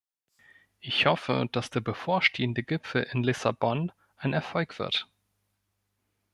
Ich hoffe, dass der bevorstehende Gipfel in Lissabon ein Erfolg wird.